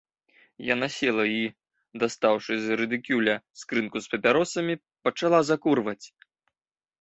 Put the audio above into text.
Яна села і, дастаўшы з рыдыкюля скрынку з папяросамі, пачала закурваць.